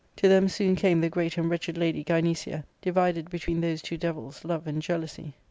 To them soon c^me the great and wretched lady Gjmecia, divided between those two devils Love and J ealousy.